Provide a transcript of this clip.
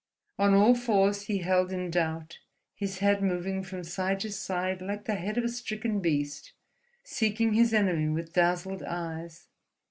On all fours he held in doubt, his head moving from side to side like the head of a stricken beast, seeking his enemy with dazzled eyes.